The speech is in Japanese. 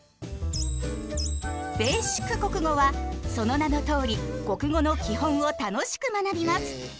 「ベーシック国語」はその名のとおり国語の基本を楽しく学びます。